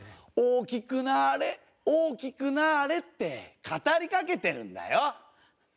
大きくなれ大きくなれって語りかけてるんだよ。